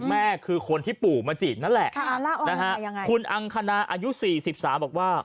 แม่คือคนที่ปู่มาจีบนั่นแหละคุณอังคณาอายุ๔๓บอกว่า